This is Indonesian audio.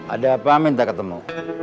ada apa minta ketemu